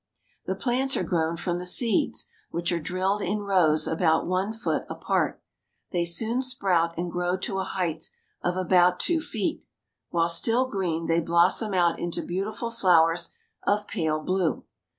The plants are grown from the seeds, which are drilled in rows about one foot apart. They soon sprout and grow to a height of about two feet. While still green, they blossom out into beautiful flowers of pale blue.